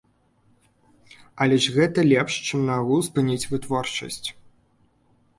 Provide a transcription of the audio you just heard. Але ж гэта лепш, чым наогул спыніць вытворчасць.